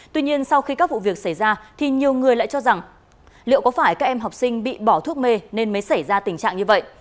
tuy nhiên sau khi các vụ việc xảy ra thì nhiều người lại cho rằng liệu có phải các em học sinh bị bỏ thuốc mê nên mới xảy ra tình trạng như vậy